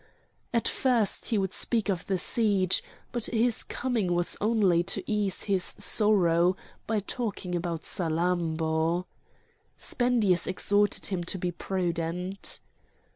At first he would speak of the siege, but his coming was only to ease his sorrow by talking about Salammbô. Spendius exhorted him to be prudent.